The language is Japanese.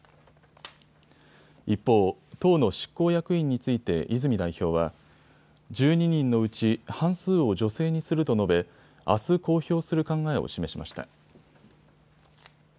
一方、党の執行役員について泉代表は１２人のうち半数を女性にすると述べあす公表する考えを示しました。